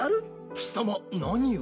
貴様何を。